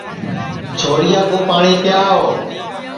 چھورِیا کُو پاٹؔی پِیاوَ